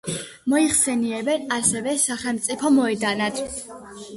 მოიხსენიებენ ასევე „სახელმწიფო მოედნად“.